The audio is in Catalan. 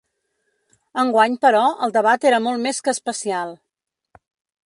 Enguany, però, el debat era molt més que especial.